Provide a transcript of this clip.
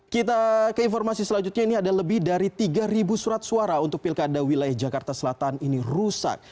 kita ke informasi selanjutnya ini ada lebih dari tiga surat suara untuk pilkada wilayah jakarta selatan ini rusak